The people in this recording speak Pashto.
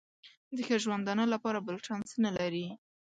د ښه ژوندانه لپاره بل چانس نه لري.